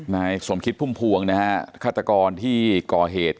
นายสมคิดพุ่มพวงนะฮะฆาตกรที่ก่อเหตุ